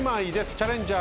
チャレンジャー